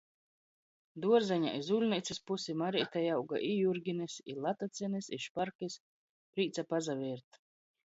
Duorzeņā iz ūļneicys pusi Mareitei auga i jurginis, i latacenis, i šparkys. Prīca pasavērt.